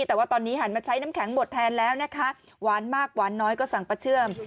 แต่ว่าตอนนี้หันมาใช้น้ำแข็งหมดแทนแล้วนะคะหวานมากหวานน้อยก็สั่งป้าเชื่อม